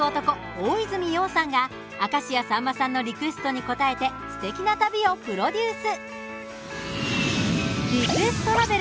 大泉洋さんが明石家さんまさんのリクエストに応えてすてきな旅をプロデュース。